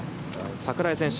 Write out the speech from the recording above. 櫻井選手